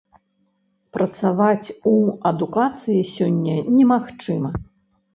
Працаваць у адукацыі сёння немагчыма.